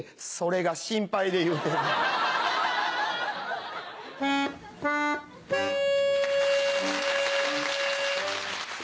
それが心配で言うてんねん。